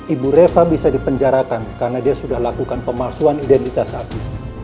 ibu reva bisa dipenjarakan karena dia sudah lakukan pemalsuan identitas api